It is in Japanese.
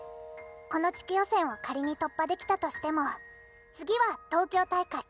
この地区予選を仮に突破できたとしても次は東京大会。